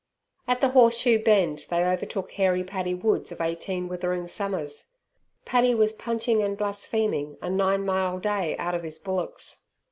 At the Horse Shoe Bend they overtook hairy Paddy Woods of eighteen withering summers. Paddy was punching and blaspheming a nine mile day out of his bullocks.